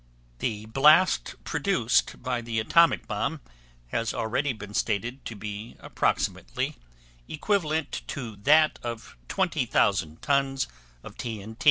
The blast produced by the atomic bomb has already been stated to be approximately equivalent to that of 20,000 tons of T.N.T.